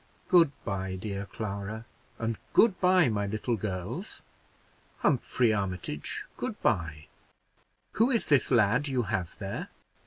Good by, dear Clara; and good by, my little girls. Humphrey Armitage, good by. Who is this lad you have here?"